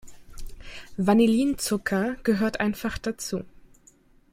Vanillinzucker gehört einfach dazu.